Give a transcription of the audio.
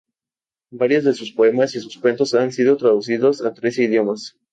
Varios de sus poemas y sus cuentos han sido traducidos a trece idiomas.